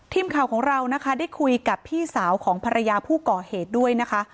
ทีมข่าวของเรานะคะได้คุยกับพี่สาวของภรรยาผู้ก่อเหตุด้วยนะคะ